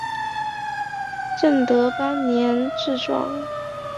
正德八年致仕。